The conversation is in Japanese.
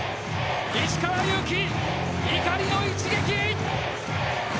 石川祐希、怒りの一撃！